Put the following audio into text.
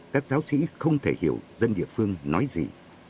các giáo sĩ không thể hiểu dân địa phương nói gì